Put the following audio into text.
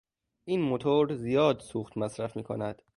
این موتور زیاد سوخت مصرف میکند.